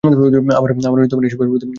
আমারও এসবের প্রতি আস্থা নেই।